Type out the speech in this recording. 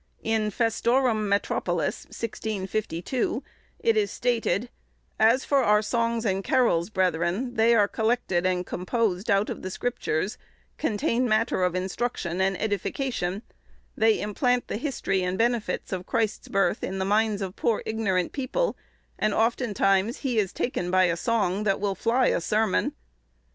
In 'Festorum Metropolis,' 1652, it is stated, "As for our songs and carrols, brethren, they are collected and composed out of the Scriptures, containe matter of instruction and edification, they implant the history and benefits of Christ's birth in the minds of poor ignorant people; and oftentimes he is taken by a song that will flye a sermon."